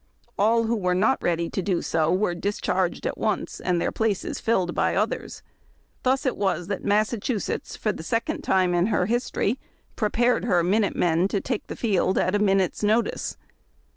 All who were not ready to do so were discharged at once, and their places tilled by others. Thus it was that Massachusetts for the second time in her history prepared her " Minute Men " to take the field at a minute's notice.